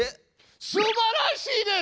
すばらしいです！